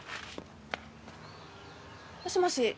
もしもし？